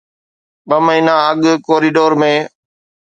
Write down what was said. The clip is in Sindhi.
ٻه مهينا اڳ ڪوريڊور ۾